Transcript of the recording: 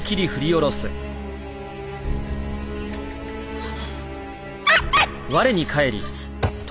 あっ。